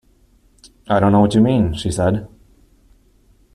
‘I don’t know what you mean,’ she said.